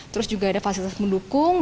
terus juga ada fasilitas mendukung